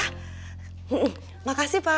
hmm makasih pak